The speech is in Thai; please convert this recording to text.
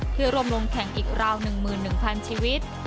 เพื่อรวมลงแข่งอีกราว๑๑๐๐๐ชีวิต